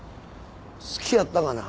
好きやったがな。